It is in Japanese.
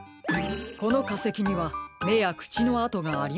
このかせきにはめやくちのあとがありませんね。